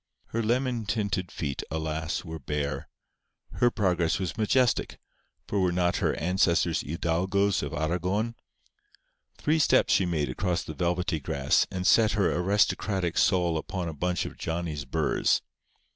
Her lemon tinted feet, alas! were bare. Her progress was majestic, for were not her ancestors hidalgos of Aragon? Three steps she made across the velvety grass, and set her aristocratic sole upon a bunch of Johnny's burrs.